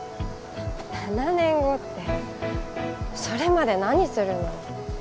７年後ってそれまで何するの？